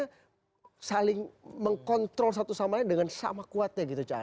sehingga saling mengkontrol satu sama lain dengan sama kuatnya